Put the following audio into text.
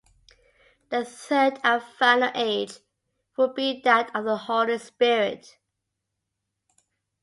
The third and final age would be that of the Holy Spirit.